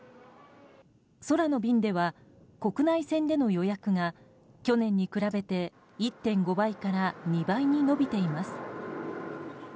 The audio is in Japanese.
空の便では、国内線での予約が去年に比べて１．５倍から２倍に伸びています。